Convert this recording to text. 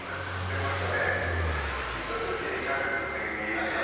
でもやっぱねひと口にキャベツの千切りっていっても。